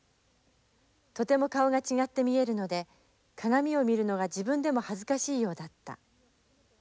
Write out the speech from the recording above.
とても顔が違って見えるので鏡を見るのが自分でも恥ずかしいようだった。